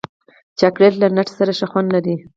چاکلېټ له نټ سره ښه خوند لري.